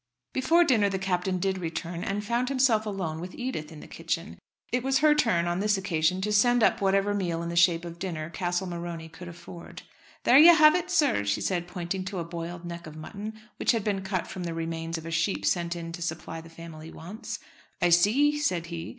Before dinner the Captain did return, and found himself alone with Edith in the kitchen. It was her turn on this occasion to send up whatever meal in the shape of dinner Castle Morony could afford. "There you have it, sir," she said, pointing to a boiled neck of mutton, which had been cut from the remains of a sheep sent in to supply the family wants. "I see," said he.